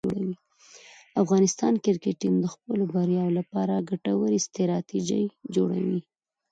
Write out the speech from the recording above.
د افغانستان کرکټ ټیم د خپلو بریاوو لپاره ګټورې ستراتیژۍ جوړوي.